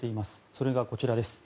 それが、こちらです。